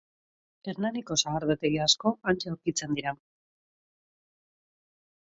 Hernaniko sagardotegi asko hantxe aurkitzen dira.